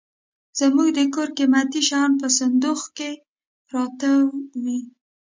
زموږ د کور قيمتي شيان په صندوخ کي پراته وي.